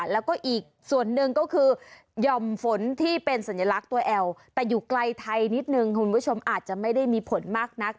แล้วก็อีกส่วนหนึ่งก็คือหย่อมฝนที่เป็นสัญลักษณ์ตัวแอลแต่อยู่ไกลไทยนิดนึงคุณผู้ชมอาจจะไม่ได้มีผลมากนัก